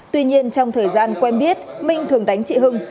tuy nhiên trong thời gian quen biết minh thường đánh chị hưng